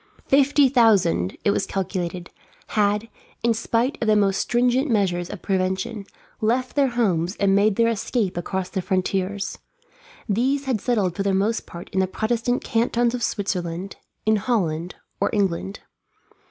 Fifty thousand, it was calculated, had, in spite of the most stringent measures of prevention, left their homes and made their escape across the frontiers. These had settled for the most part in the Protestant cantons of Switzerland, in Holland, or England.